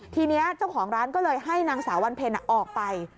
ทีนี้เจ้าของร้านก็เลยให้นางสาววันเพลออกไป